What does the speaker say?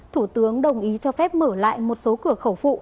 thủ tướng đồng ý cho phép mở lại một số cửa khẩu phụ